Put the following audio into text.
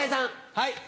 はい。